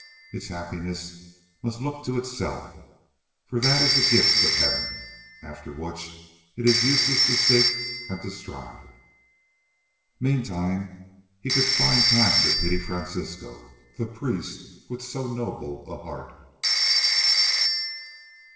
Its happiness must look to itself, for that is the gift of Heaven, after which it is useless to seek and to strive. Meantime he could find time to pity Francisco, the priest with so noble a heart.